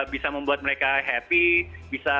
bisa membuat mereka happy bisa